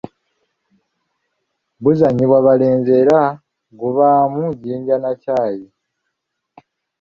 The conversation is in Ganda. Buzannyibwa balenzi era gubaamu jjinja na kyayi.